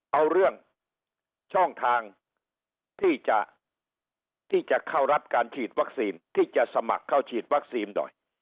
เอาเรื่องช่องทางที่จะเข้ารับการฉีดวัคซีนที่จะสมัครเข้าฉีดวัคซีนหน่อย